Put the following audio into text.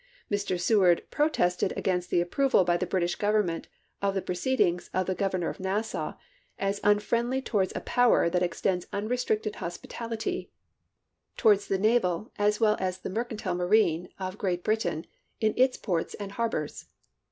Mr. Seward protested against the approval by the British Government of the proceedings of the Gov ernor of Nassau as " unfriendly towards a power that extends unrestricted hospitality towards the DIPLOMACY OF 1862 51 naval as well as the mercantile marine of Great chap. hi. Britain in its ports and harbors."